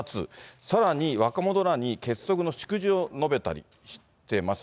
さらに若者らに結束の祝辞を述べたりしてます。